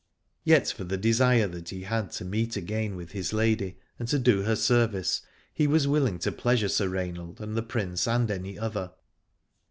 Yet for the desire that he had to meet again with his lady, and to do her service, he was willing to pleasure Sir Rainald and the Prince and any other.